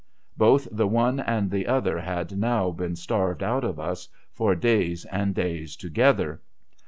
l)Olh the one and the other had now been starved out of us for days and days together.